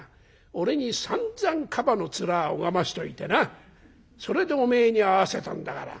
俺にさんざんカバの面拝ましておいてなそれでおめえに会わせたんだから」。